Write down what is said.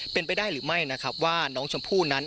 เป็นไปได้หรือไม่นะครับว่าน้องชมพู่นั้น